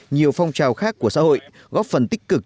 nhiều phong trào khác của xã hội góp phần tích cực